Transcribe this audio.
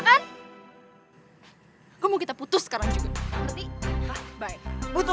sini lo dukengin gue